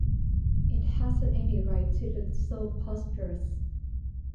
It hasn't any right to look so prosperous.